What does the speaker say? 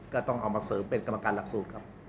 ก็ต้องเอามาเสริมเป็นกรรมการหลักสูตรครับ